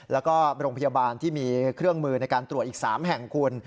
แล้วก็โรงพยาบาลที่มีเครื่องมือในการตรวจอีก๓แห่งคุณ